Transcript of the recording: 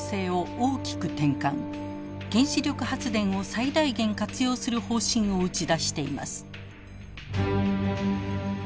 原子力発電を最大限活用する方針を打ち出しています。